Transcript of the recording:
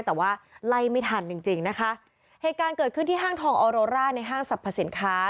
แต่ว่าไล่ไม่ทันจริงจริงนะคะเหตุการณ์เกิดขึ้นที่ห้างทองออโรร่าในห้างสรรพสินค้า